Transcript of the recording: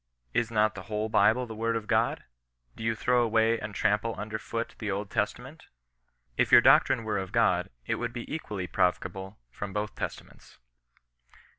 Is not the whole Bible the word of God 1 Do you throw away and trample under foot the Old Testament 1 If your doctrine were of God, it would be equally pioveable from both Testaments."